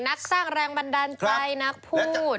นักสร้างแรงบันดาลใจนักพูด